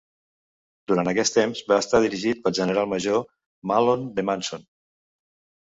Durant aquest temps va estar dirigit pel general major Mahlon D. Manson.